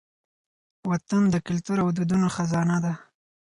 وطن د کلتور او دودونو خزانه ده.